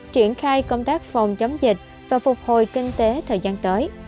triển khai công tác phòng chống dịch và phục hồi kinh tế thời gian tới